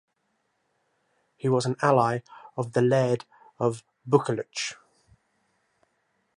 He was an ally of the Laird of Buccleuch.